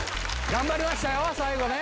頑張りましたよ、最後ね。